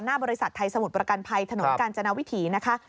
บริษัทไทยสมุทรประกันภัยถนนกาญจนาวิถีนะคะ